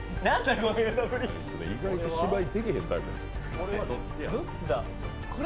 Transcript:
意外と芝居、でけへんタイプだ。